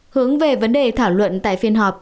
hướng về vấn đề thảo luận tại phiên họp